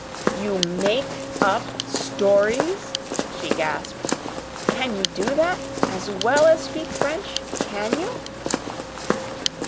"You MAKE up stories!" she gasped. "Can you do that as well as speak French? CAN you?"